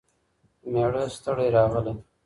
مېړه ستړی راغلی